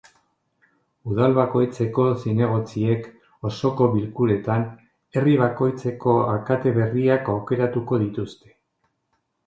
Udal bakoitzeko zinegotziek, osoko bilkuretan, herri bakoitzeko alkate berriak aukeratuko dituzte.